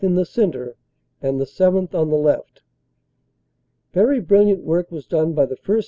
in the centre, and the 7th. on the left. Very brilliant work was done by the 1st.